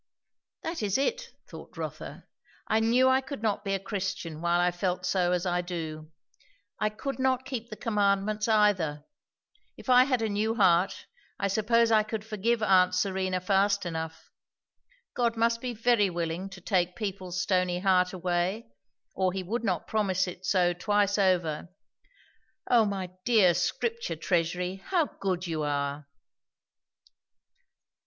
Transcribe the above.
That is it! thought Rotha. I knew I could not be a Christian while I felt so as I do. I could not keep the commandments either. If I had a new heart, I suppose I could forgive aunt Serena fast enough. God must be very willing to take people's stony heart away, or he would not promise it so twice over. O my dear "Scripture Treasury"! how good you are!